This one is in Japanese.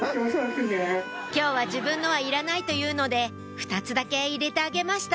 今日は自分のはいらないと言うので２つだけ入れてあげました